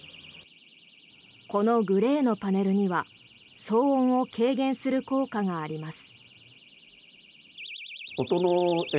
このグレーのパネルには騒音を軽減する効果があります。